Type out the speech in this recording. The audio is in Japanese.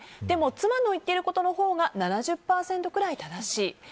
でも妻の言っていることのほうが７０％ぐらい正しい。